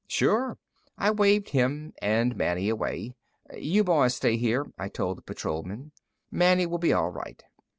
"Sure." I waved him and Manny away. "You boys stay here," I told the patrolmen, "Manny will be all right."